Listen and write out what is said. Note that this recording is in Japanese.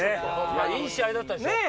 いい試合だったでしょ？